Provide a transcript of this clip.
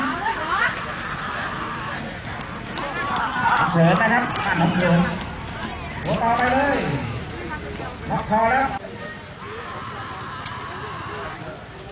น้ำเผือนนะครับน้ำเผือนตัวตอดไปเลยตัวตอดแล้ว